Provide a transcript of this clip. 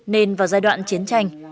nên vào giai đoạn chiến tranh